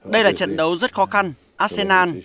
đây là trận đấu rất khó khăn arsenal